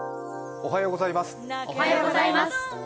おはようございます。